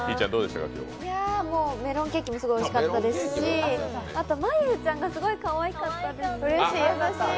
メロンケーキもすごいおいしかったですし、あと、真悠ちゃんがすごいかわいかったです。